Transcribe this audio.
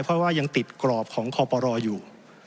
เพราะว่ายังติดกรอบของคอปรอยู่